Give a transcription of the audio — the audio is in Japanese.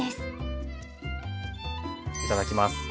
いただきます。